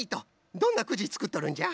どんなくじつくっとるんじゃ？